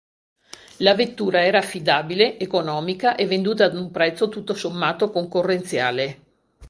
La vettura era affidabile, economica e venduta ad un prezzo tutto sommato concorrenziale.